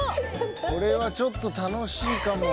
これはちょっと楽しいかも。